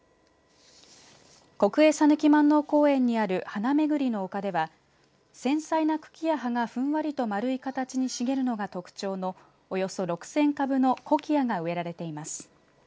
国営讃岐まんのう公園にある花巡りの丘では繊細な茎や葉がふんわりと丸い形に茂るのが特徴のおよそ６０００株のコキアが植えられています。